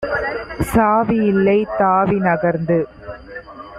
சாவி யில்லை; தாவி நகர்ந்து